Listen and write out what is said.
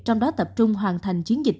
trong đó tập trung hoàn thành chiến dịch